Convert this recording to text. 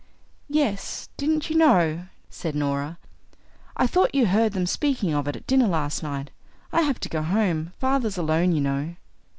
"Yes, didn't you know?" Norah said. "I thought you heard them speaking of it at dinner last night. I have to go home; father's alone, you know."